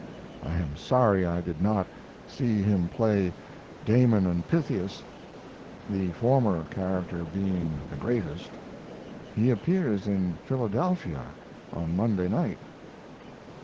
I am sorry I did not see him play "Damon and Pythias" the former character being the greatest. He appears in Philadelphia on Monday night.